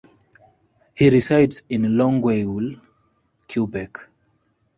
He resides in Longueuil, Quebec.